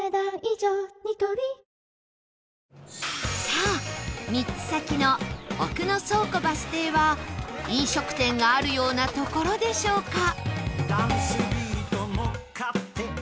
さあ３つ先の奥野倉庫バス停は飲食店があるような所でしょうか？